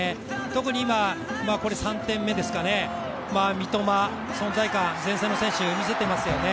特にこれ今、３点目ですかね、三笘、存在感、前線の選手、みせていますよね。